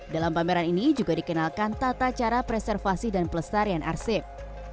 dalam pameran ini juga dikenalkan tata cara preservasi dan pelestarian arsip